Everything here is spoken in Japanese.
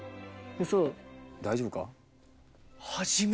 大丈夫か？